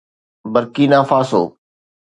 Burkina Faso